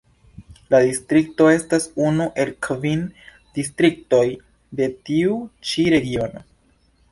La distrikto estas unu el kvin distriktoj de tiu ĉi Regiono.